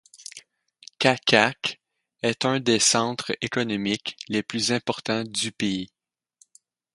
Čačak est un des centres économiques les plus importants du pays.